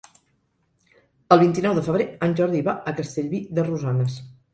El vint-i-nou de febrer en Jordi va a Castellví de Rosanes.